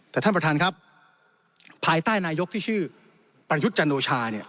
แต่ท่านประธานครับภายใต้นายกที่ชื่อประยุทธ์จันโอชาเนี่ย